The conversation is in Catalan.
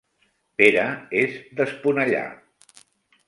Pere és d'Esponellà